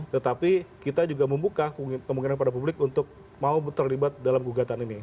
tetapi kita juga membuka kemungkinan pada publik untuk mau terlibat dalam gugatan ini